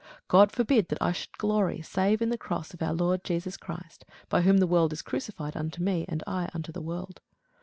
God forbid that I should glory, save in the cross of our Lord Jesus Christ, by whom the world is crucified unto me, and I unto the world.